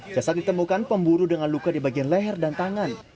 jasad ditemukan pemburu dengan luka di bagian leher dan tangan